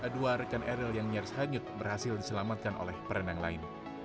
dua rekan eril yang nyaris hanyut berhasil diselamatkan oleh perenang lain